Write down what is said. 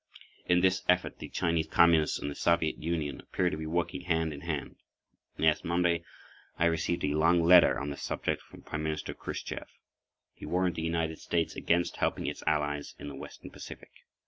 In this effort the Chinese Communists and the Soviet Union appear to be working hand in hand. Last Monday I received a long letter on this subject from Prime Minister Khrushchev. He warned the United States against helping its allies in the western Pacific.